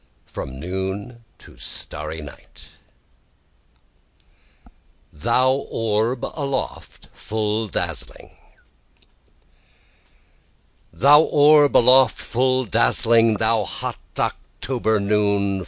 FROM NOON TO STARRY NIGHT Thou Orb Aloft Full Dazzling Thou orb aloft full dazzling! thou hot October noon!